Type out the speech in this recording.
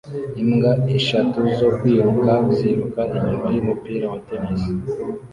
Imbwa eshatu zo kwiruka ziruka inyuma yumupira wa tennis